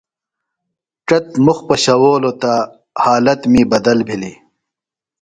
ڇت مُخ پشَؤولوۡ تہ حالت می بدل بِھلیۡ۔